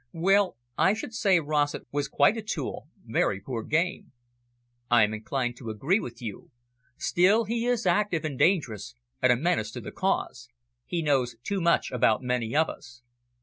"Well, I should say Rossett was quite a tool, very poor game." "I am inclined to agree with you. Still, he is active and dangerous, and a menace to the Cause. He knows too much about many of us."